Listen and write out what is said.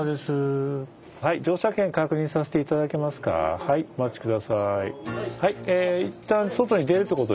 はいお待ち下さい。